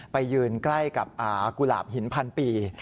ไปยืนใกล้กับกุหลาบหินพันปี